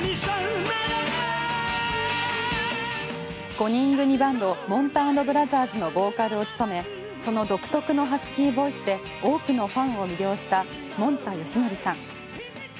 ５人組バンドもんた＆ブラザーズのボーカルを務めその独特のハスキーボイスで多くのファンを魅了したもんたよしのりさん。